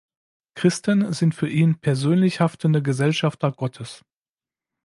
Christen sind für ihn „persönlich haftende Gesellschafter Gottes“.